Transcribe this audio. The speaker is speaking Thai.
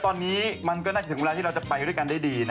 ตอนนี้มันก็น่าจะถึงเวลาที่เราจะไปด้วยกันได้ดีนะ